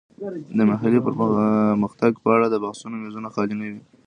د محلي پرمختګ په اړه د بحثونو میزونه خالي نه وي.